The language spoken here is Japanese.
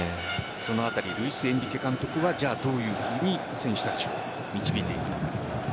その辺りルイスエンリケ監督はどういうふうに選手たちを導いていくのか。